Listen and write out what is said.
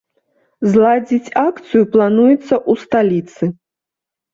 Зладзіць акцыю плануецца ў сталіцы.